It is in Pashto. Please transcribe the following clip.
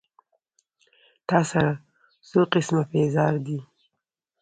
تا سره څو قسمه پېزار دي